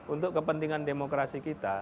untuk kepentingan demokrasi kita